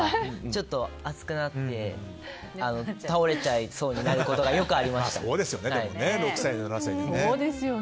ちょっと暑くなって倒れちゃいそうになることがよくありました。